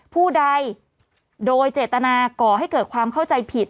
ผู้ใดโดยเจตนาก่อให้เกิดความเข้าใจผิด